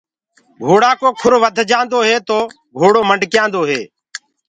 گھوڙآ ڪو کُر وڌجآندو هي تو گھوڙو مڊڪيآندو هي۔